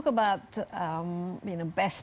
oke mari kita bicara tentang